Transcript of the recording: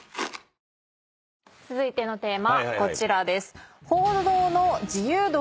続いてのテーマこちらです。